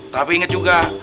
tapi inget juga